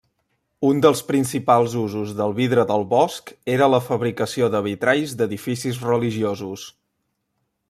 Un dels principals usos del vidre del bosc era la fabricació de vitralls d'edificis religiosos.